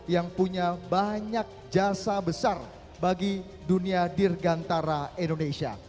yang punya banyak jasa besar bagi dunia dirgantara indonesia